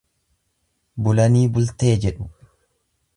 Bulanii bultee jedhu.